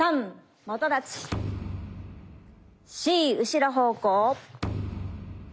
４後ろ方向。